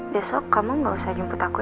besok kamu gak usah nyumput aku ya